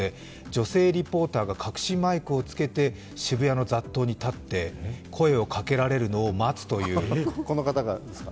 女性リポーターが隠しマイクをつけて渋谷の雑踏に立って声をかけられるのを待つという。